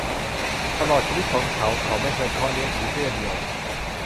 ตลอดชีวิตของเขา เขาไม่เคยเพาะเลี้ยงผีเสื้อเดี่ยว